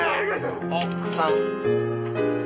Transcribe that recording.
奥さん。